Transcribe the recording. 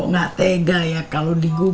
akan kok gak tega ya kalo digubur